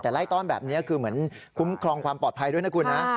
แต่ไล่ต้อนแบบนี้คือเหมือนคุ้มครองความปลอดภัยด้วยนะคุณนะ